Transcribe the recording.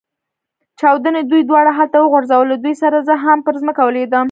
چاودنې دوی دواړه هلته وغورځول، له دوی سره زه هم پر مځکه ولوېدم.